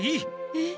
えっ！？